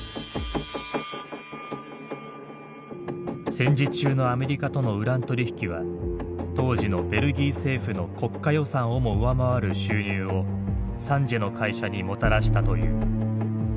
戦時中のアメリカとのウラン取り引きは当時のベルギー政府の国家予算をも上回る収入をサンジエの会社にもたらしたという。